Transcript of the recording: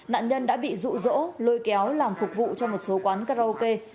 nạn nhân đã bị rụ rỗ lôi kéo làm phục vụ cho một số quán karaoke